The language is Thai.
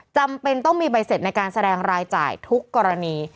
จำเป็นต้องมีใบเสร็จในการแสดงรายจ่ายทุกกรณี